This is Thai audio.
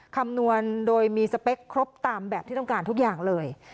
คำนวณโดยมีสเปคครบตามแบบที่ต้องการทุกอย่างเลย